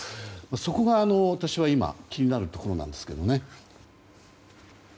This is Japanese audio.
そこが私は今気になるところなんですけどね。